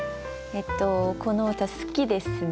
この歌好きですね。